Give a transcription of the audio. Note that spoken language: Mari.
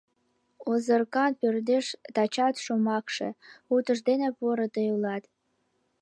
Озыркан пӧрдеш тачат шомакше: «Утыждене поро тый улат!..»